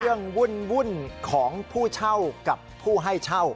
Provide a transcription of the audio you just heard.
วุ่นของผู้เช่ากับผู้ให้เช่า